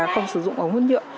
không sử dụng ống hút dựa